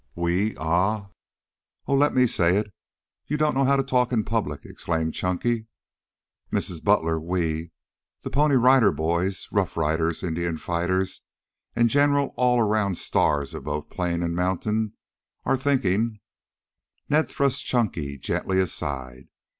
"We ah " "Oh, let me say it. You don't know how to talk in public," exclaimed Chunky. "Mrs. Butler, we, the Pony Rider Boys, rough riders, Indian fighters and general, all around stars of both plain and mountain, are thinking " Ned thrust Chunky gently aside.